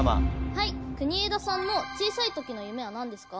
はい国枝さんの小さい時の夢は何ですか？